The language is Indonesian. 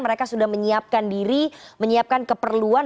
mereka sudah menyiapkan diri menyiapkan keperluan